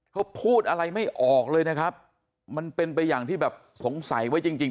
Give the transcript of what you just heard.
เขาพูดอะไรไม่ออกเลยนะครับมันเป็นไปอย่างที่แบบสงสัยไว้จริงจริง